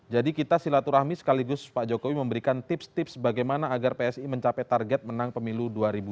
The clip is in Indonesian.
jadi kita silaturahmi sekaligus pak jokowi memberikan tips tips bagaimana agar psi mencapai target menang pemilu dua ribu sembilan belas